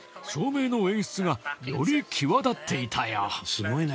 すごいな。